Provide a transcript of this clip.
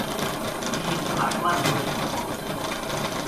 第一次買罐頭的時候